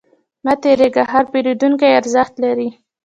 مه تریږه، هر پیرودونکی ارزښت لري.